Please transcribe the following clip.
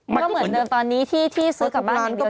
ก็เหมือนเดิมตอนนี้ที่ซื้อกลับบ้านอย่างเดียว